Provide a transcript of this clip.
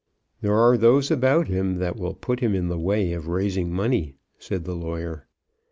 "There are those about him that will put him in the way of raising money," said the lawyer.